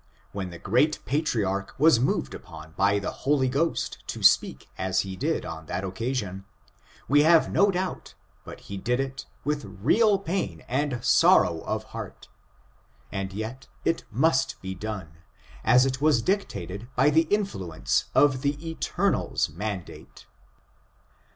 When the great Patriarph was moved upon by the Holy Ghost to speak as he did on that occasion, we have no doubt but he did it with real pain and sorrow of heart, and yet it mtcst be done, as it was dictated by the influ« ence of the Eternals mandate.